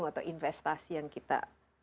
atau investasi yang kita